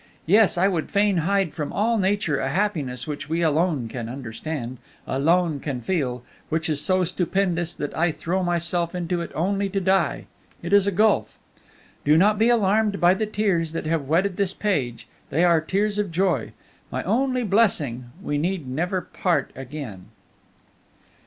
Yes, I would fain hide from all nature a happiness which we alone can understand, alone can feel, which is so stupendous that I throw myself into it only to die it is a gulf! "Do not be alarmed by the tears that have wetted this page; they are tears of joy. My only blessing, we need never part again!"